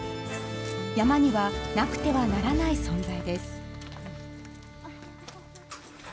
山にはなくてはならない存在です。